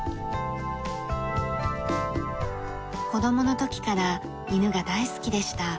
子供の時から犬が大好きでした。